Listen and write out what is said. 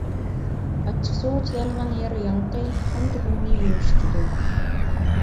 ئاچچىقسۇغا چىلانغان يەر ياڭىقى قان تومۇرنى يۇمشىتىدۇ.